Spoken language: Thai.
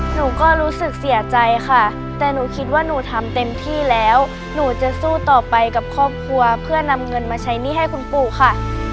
หนูก็รู้สึกเสียใจค่ะแต่หนูคิดว่าหนูทำเต็มที่แล้วหนูจะสู้ต่อไปกับครอบครัวเพื่อนำเงินมาใช้หนี้ให้คุณปู่ค่ะ